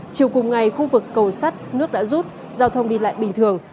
chiều cùng ngày khu vực cầu sắt nước đã rút giao thông đi lại bình thường